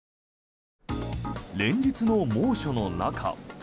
連日の猛暑の中